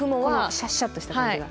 シャッシャッとした感じが？